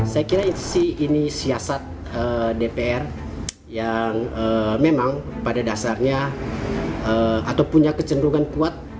saya kira ini siasat dpr yang memang pada dasarnya atau punya kecenderungan kuat